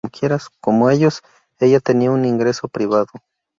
Como ellos, ella tenía un ingreso privado.